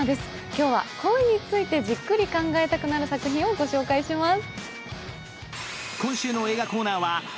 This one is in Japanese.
今日は恋についてじっくり考えたくなる映画をご紹介します。